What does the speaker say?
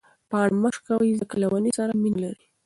پاڼه مه شکوئ ځکه له ونې سره مینه لري.